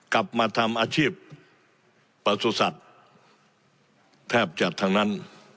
กลับมาทำอาชีพประสุทธิ์สัตว์แทบจะทั้งนั้น